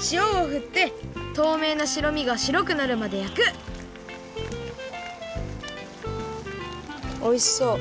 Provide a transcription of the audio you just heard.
しおをふってとうめいなしろみがしろくなるまでやくおいしそう！